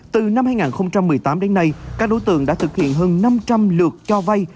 từ năm hai nghìn một mươi tám đến nay các đối tượng đã thực hiện hơn năm trăm linh lượt cho vay